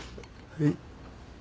はい。